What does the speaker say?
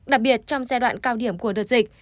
đặc biệt trong giai đoạn cao điểm của đợt dịch